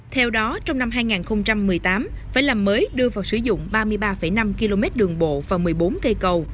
theo đó trong năm hai nghìn một mươi tám phải làm mới đưa vào sử dụng ba mươi ba năm km đường bộ và một mươi bốn cây cầu